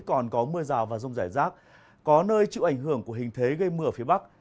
còn có mưa rào và rông rải rác có nơi chịu ảnh hưởng của hình thế gây mưa ở phía bắc